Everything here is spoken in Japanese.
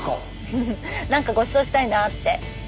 フフフ何かごちそうしたいなって。